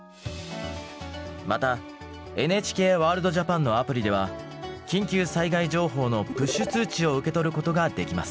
またＮＨＫワールドＪＡＰＡＮのアプリでは緊急災害情報のプッシュ通知を受け取ることができます。